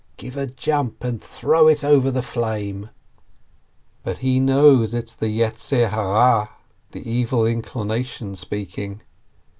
Give a jump and throw it over the flame !" But he knows it is the Evil Inclination speak ing.